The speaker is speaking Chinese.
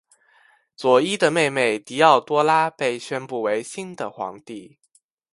佐伊的妹妹狄奥多拉被宣布为新的皇帝。